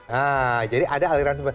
nah jadi ada aliran